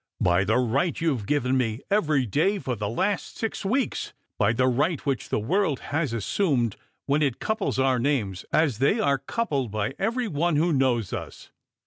" By the right you've given me every day for the last six weeks. By the right which the world has assumed when it couples our names, as they are coupled by every one who knowp us.